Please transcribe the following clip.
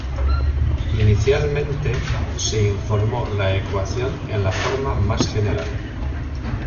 Inicialmente, se informó la ecuación en la forma más general.